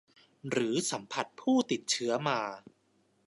หรือสัมผัสผู้ติดเชื้อมา